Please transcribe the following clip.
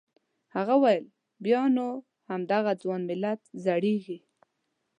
هغه وویل بیا نو همدغه ځوان ملت زړیږي.